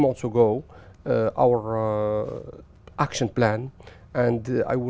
một hành động quan trọng đáng đáng giam sử